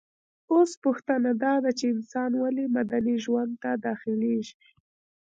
اوس پوښتنه داده چي انسان ولي مدني ژوند ته داخليږي؟